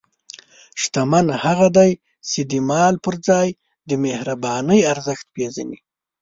شتمن هغه دی چې د مال پر ځای د مهربانۍ ارزښت پېژني.